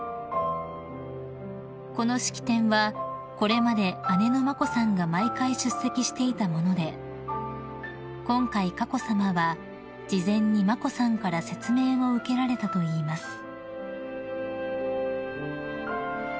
［この式典はこれまで姉の眞子さんが毎回出席していたもので今回佳子さまは事前に眞子さんから説明を受けられたといいます］